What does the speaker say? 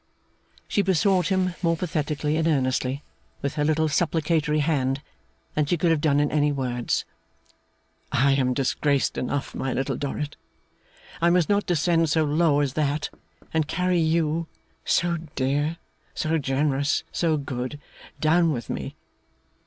She besought him, more pathetically and earnestly, with her little supplicatory hand, than she could have done in any words. 'I am disgraced enough, my Little Dorrit. I must not descend so low as that, and carry you so dear, so generous, so good down with me.